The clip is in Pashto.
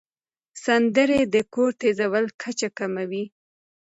سندرې د کورتیزول کچه کموي.